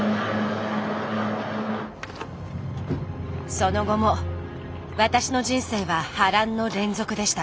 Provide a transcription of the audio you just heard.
その後も私の人生は波乱の連続でした。